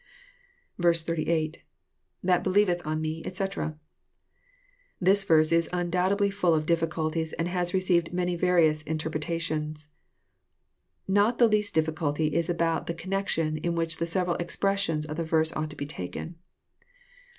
B8. — IHe that helieveth on wie, etc.'] This verse is undoubtedly full of difficulties, and has received very various interpretations. Not the least difficulty is about the connection in which the several expressions of the verse ought to be taken.